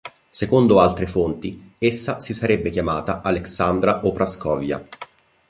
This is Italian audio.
Secondo altre fonti essa si sarebbe chiamata Aleksandra o Praskov'ja.